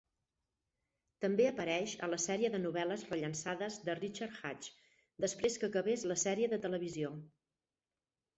També apareix a la sèrie de novel·les rellançades de Richard Hatch després que acabés la sèrie de televisió.